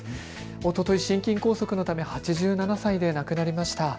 おととい心筋梗塞のため８７歳で亡くなりました。